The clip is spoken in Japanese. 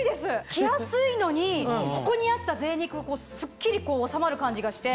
着やすいのにここにあったぜい肉スッキリ収まる感じがして。